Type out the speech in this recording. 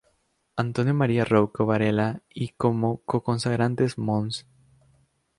Antonio María Rouco Varela y como co-consagrantes Mons.